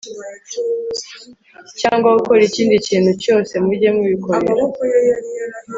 cyangwa gukora ikindi kintu cyose mujye mubikorera